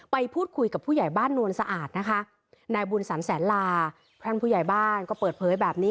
ไปพูดคุยกับผู้ใหญ่บ้านนวลสะอาดนะคะนายบุญสรรแสนลาท่านผู้ใหญ่บ้านก็เปิดเผยแบบนี้